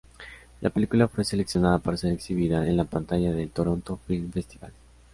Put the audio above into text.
La película fue seleccionada para ser exhibida en la pantalla del Toronto Film Festival.